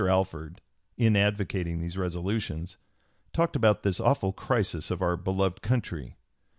Alford, in advocating these resolutions, talked about "this awful crisis of our beloved country."